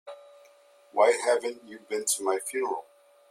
Why haven't you been to my funeral?